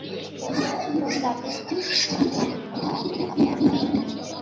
কোন জাতের পাগলাটে কথা বলা বিড়াল তুমি?